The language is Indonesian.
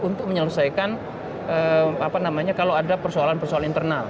untuk menyelesaikan kalau ada persoalan persoalan internal